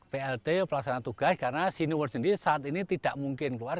plt pelaksana tugas karena sinuers ini saat ini tidak mungkin keluar